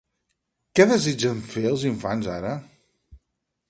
Què desitgen fer els infants, ara?